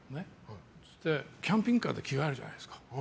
キャンピングカーで着替えるじゃないですか。